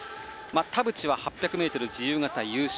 田渕は８００ｍ自由形優勝。